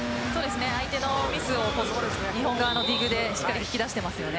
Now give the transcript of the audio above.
相手のミスを日本側のディグでしっかり引き出していますね。